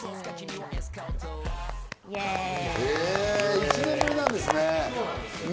１年ぶりなんですね。